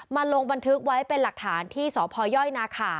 ลงบันทึกไว้เป็นหลักฐานที่สพยนาคา